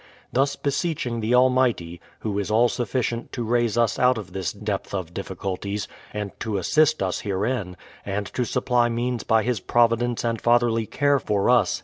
Thus beseeching the Almighty, Who is all sufficient to raise us out of this depth of difficulties, and to assist us herein, and to supply means by His providence and fatherly care for us.